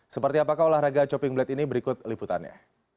seperti apakah olahraga chopping blade ini berikut liputannya